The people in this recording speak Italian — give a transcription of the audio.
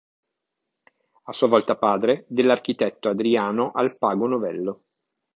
A sua volta padre dell'architetto Adriano Alpago Novello.